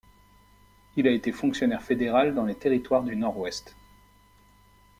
Il a été fonctionnaire fédéral dans les Territoires du Nord-Ouest.